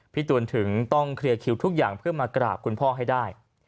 ตูนถึงต้องเคลียร์คิวทุกอย่างเพื่อมากราบคุณพ่อให้ได้